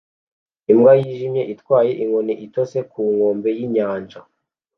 Imbwa yijimye itwaye inkoni itose ku nkombe yinyanja